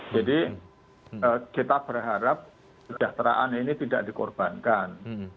jadi kita berharap sejahteraan ini tidak dikorbankan